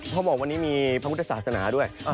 บอกวันนี้มีพระพุทธศาสนาด้วย